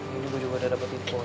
ini gue juga udah dapet info